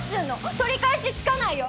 取り返しつかないよ。